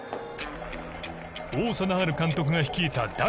王貞治監督が率いた第１回。